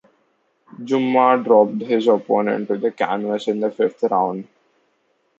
Jumah dropped his opponent to the canvas in the fifth round.